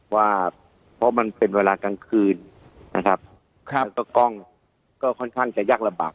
ว่าเพราะมันเป็นเวลากลางคืนนะครับแล้วก็กล้องก็ค่อนข้างจะยากลำบาก